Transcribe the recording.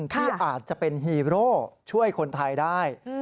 ที่อาจจะเป็นฮีโร่ช่วยคนไทยได้